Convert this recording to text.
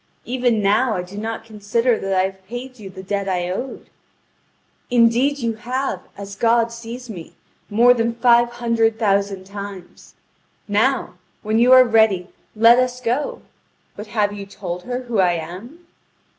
Even now I do not consider that I have paid you the debt I owed." "Indeed you have, as God sees me, more than five hundred thousand times. Now, when you are ready, let us go. But have you told her who I am?"